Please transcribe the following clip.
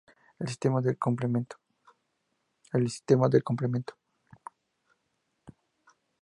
El sistema del complemento.